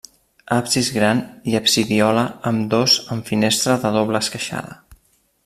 Absis gran i absidiola, ambdós amb finestra de doble esqueixada.